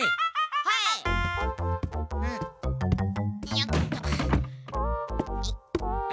よっと。